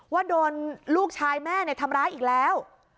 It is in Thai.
ว่าโดนลูกชายแม่ทำร้ายอีกแล้ว